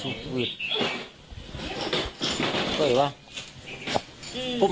คุณนี้คุณนี้ไม่เกินน่ะครับนี่อืม